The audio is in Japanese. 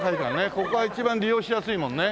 ここが一番利用しやすいもんね。